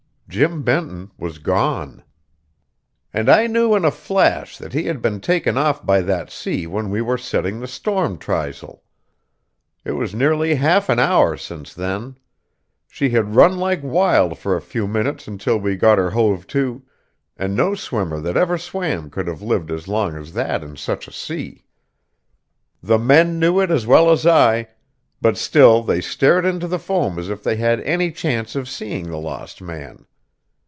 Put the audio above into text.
Jim Benton was gone; and I knew in a flash that he had been taken off by that sea when we were setting the storm trysail. It was nearly half an hour since then; she had run like wild for a few minutes until we got her hove to, and no swimmer that ever swam could have lived as long as that in such a sea. The men knew it as well as I, but still they stared into the foam as if they had any chance of seeing the lost man.